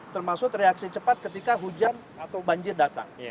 termasuk reaksi cepat ketika hujan atau banjir datang